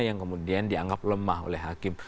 yang kemudian dianggap lemah oleh hakim